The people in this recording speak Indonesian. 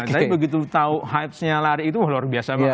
tapi begitu tau hypes nya lari itu luar biasa banget